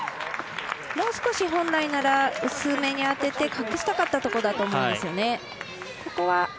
もう少し本来なら薄めに当てて隠したかったところだと思うんですよね。